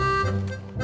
puding dinyal metre